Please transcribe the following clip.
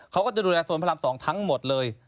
เขาก็จะดูแลโซนพระราม๒ทั้งหมดเลย